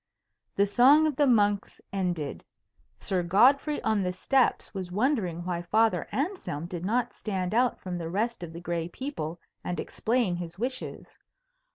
The song of the monks ended. Sir Godfrey on the steps was wondering why Father Anselm did not stand out from the rest of the gray people and explain his wishes.